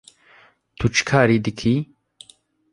Tu çi karî dikî?